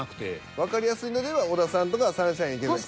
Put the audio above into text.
わかりやすいのでは小田さんとかサンシャイン池崎さん。